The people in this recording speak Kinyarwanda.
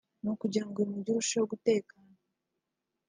ni ukugira ngo uyu mujyi urusheho gutekana